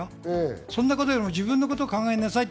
そんなことより自分のこと考えなさいって。